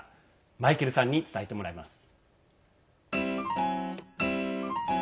マイケルさんに伝えてもらいます。